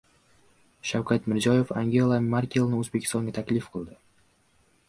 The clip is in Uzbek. Shavkat Mirziyoyev Angela Merkelni O‘zbekistonga taklif qildi